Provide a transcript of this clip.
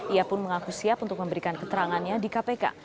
ia pun mengaku siap untuk memberikan keterangannya di kpk